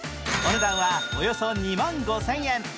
お値段はおよそ２万５０００円。